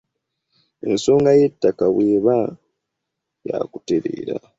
Ensonga y’ettaka bw’eba ya kutereera